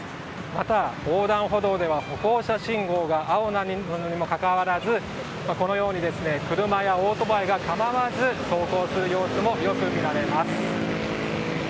また、横断歩道では歩行者信号が青なのにもかかわらず車やオートバイが構わず走行する様子もよく見られます。